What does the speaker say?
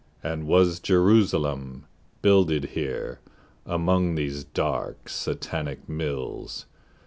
And was Jerusalem builded here Among these dark Satanic mills?